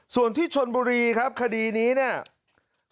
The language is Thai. ส่วนที่ชนบุรีครับคดีนี้เนี่ย